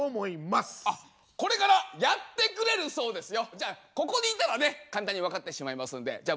じゃあここにいたらね簡単に分かってしまいますのでじゃあ